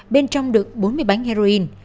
bên trong được bốn mươi bánh heroin